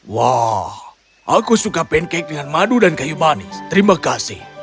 wah aku suka pancake dengan madu dan kayu manis terima kasih